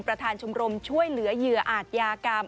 ประธานชมรมช่วยเหลือเหยื่ออาจยากรรม